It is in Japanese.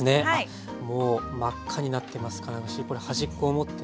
もう真っ赤になってますから端っこを持ってね。